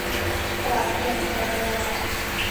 ประเทืองปัญญา